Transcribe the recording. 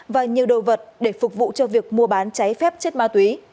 và nhiều đồ vật để phục vụ cho việc mua bán cháy phép chất ma túy